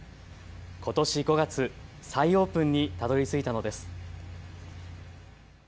ことし５月、再オープンにたどりついたのです。